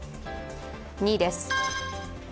２位です。